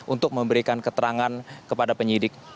untuk memberikan keterangan kepada penyidik